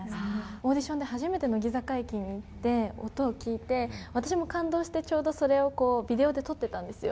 オーディションで初めて乃木坂駅に行ったときに、音を聴いて、私も感動してちょうどそれをビデオで撮ってたんですよ。